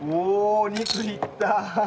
お肉にいった！